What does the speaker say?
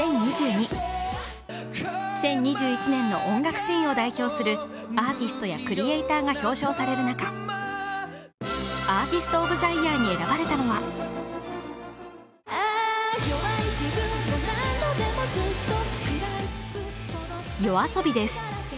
２０２１年の音楽シーンを代表するアーティストやクリエーターが表彰される中、アーティスト・オブ・ザ・イヤーに選ばれたのはＹＯＡＳＯＢＩです。